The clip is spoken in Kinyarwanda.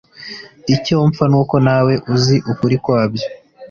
Icyompfa nuko nawe azi ukuri kwabyo